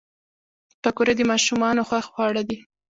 پکورې د ماشومانو خوښ خواړه دي